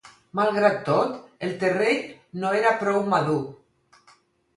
Malgrat tot, el terreny no era prou madur.